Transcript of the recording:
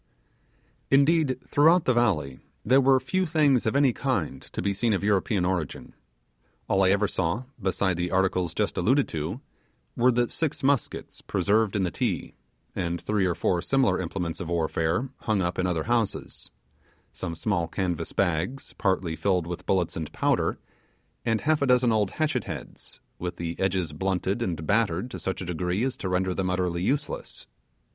Indeed, throughout the valley, there were few things of any kind to be seen of European origin. All I ever saw, besides the articles just alluded to, were the six muskets preserved in the Ti, and three or four similar implements of warfare hung up in other houses; some small canvas bags, partly filled with bullets and powder, and half a dozen old hatchet heads, with the edges blunted and battered to such a degree as to render them utterly useless.